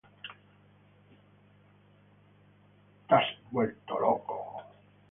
Go Crazy!